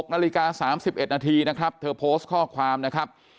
๖นาฬิกา๓๑นาทีนะครับเธอโพสต์ข้อความนะครับ